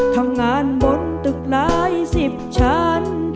ทำงานบนตึกหลายสิบชั้น